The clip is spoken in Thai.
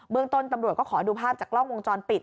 เมืองต้นตำรวจก็ขอดูภาพจากกล้องวงจรปิด